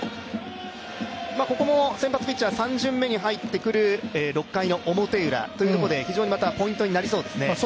ここも先発ピッチャー三巡目に入ってくるという６回表ウラ、非常にまたポイントなりそうですね。